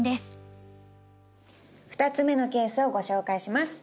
２つ目のケースをご紹介します。